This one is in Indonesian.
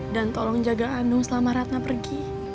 dan tolong jaga andung selama ratna pergi